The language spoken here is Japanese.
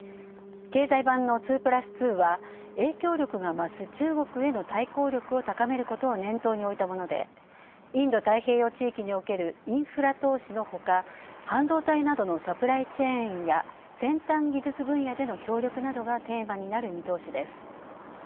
経済版の２プラス２は影響力が増す中国への対抗力を高めることを念頭に置いたものでインド太平洋地域における、インフラ投資のほか半導体などのサプライチェーンや先端技術分野での協力などがテーマになる見通しです。